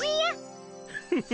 フフフ。